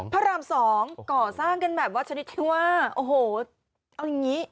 พระรามสองก่อสร้างกันแบบว่าชนิดที่ว่าโอ้โหเอาอย่างนี้